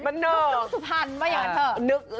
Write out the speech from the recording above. มันเนอร์